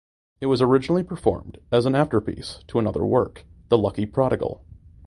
It was originally performed as an afterpiece to another work "The Lucky Prodigal".